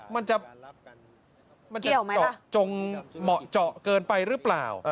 มันจะเกี่ยวไหมล่ะมันจะเจาะเกินไปหรือเปล่า